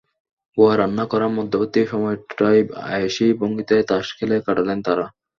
বুয়া রান্না করার মধ্যবর্তী সময়টায় আয়েশি ভঙ্গিতে তাস খেলে কাটালেন তাঁরা।